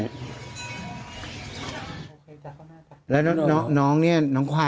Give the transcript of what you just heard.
พี่ปั๊ดเดี๋ยวมาที่ร้องให้